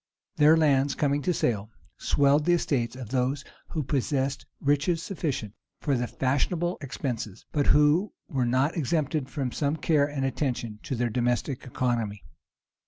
Their lands, coming to sale, swelled the estates of those who possessed itches sufficient for the fashionable expenses, but who were not exempted from some care and attention to their domestic economy.